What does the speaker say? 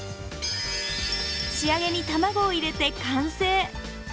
仕上げに卵を入れて完成。